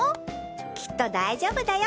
きっと大丈夫だよ